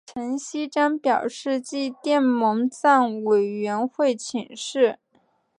陈锡璋表示即电蒙藏委员会请示。